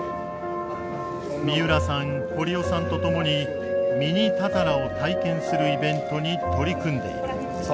三浦さん堀尾さんと共にミニたたらを体験するイベントに取り組んでいる。